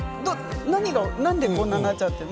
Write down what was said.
なんでこんなになっちゃったの？